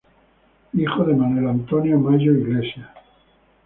Hijo de Manuel Antonio Mallo Iglesias.